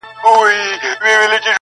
زما به پر قبر واښه وچ وي زه به تللی یمه-